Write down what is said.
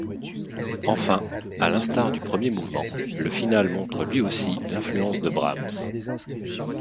Enfin, à l'instar du premier mouvement, le finale montre lui aussi l'influence de Brahms.